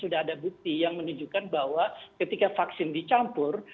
sudah ada bukti yang menunjukkan bahwa ketika vaksin dicampur